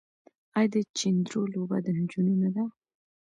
آیا د چيندرو لوبه د نجونو نه ده؟